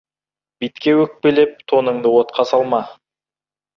Битке өкпелеп, тоныңды отқа салма.